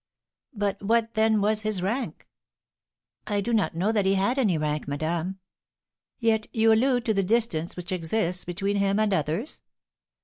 "But what, then, was his rank?" "I do not know that he had any rank, madame." "Yet you allude to the distance which exists between him and others."